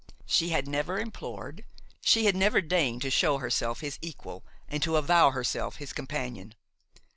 She had never implored, she had never deigned to show herself his equal and to avow herself his companion.